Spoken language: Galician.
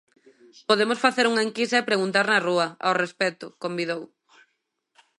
"Podemos facer unha enquisa e preguntar na rúa" ao respecto, convidou.